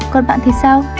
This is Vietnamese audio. còn bạn thì sao